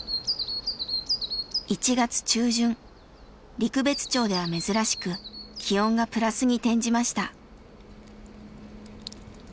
陸別町では珍しく気温がプラスに転じました。